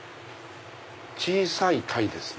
小さい鯛ですね。